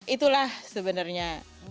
itulah sebenarnya inspirasi